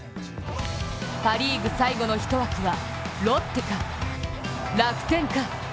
パ・リーグ最後の１枠はロッテか、楽天か。